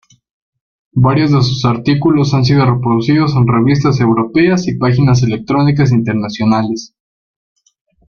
Varios de sus artículos han sido reproducidos en revistas europeas y páginas electrónicas internacionales.